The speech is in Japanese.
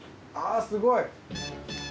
ああすごい。